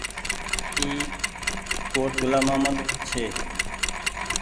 اي ڪوٽ گلآم مهمد ڇي۔